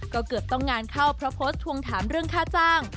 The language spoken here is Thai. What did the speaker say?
ก็เกือบต้องงานเข้าเพราะโพสต์ทวงถามเรื่องค่าจ้าง